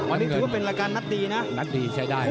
วันนี้ถือว่าเป็นรายการนัดดีนะนัดดีใช้ได้